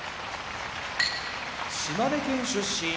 島根県出身